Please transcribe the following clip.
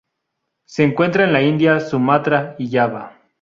Se encuentra en la India, Sumatra y Java.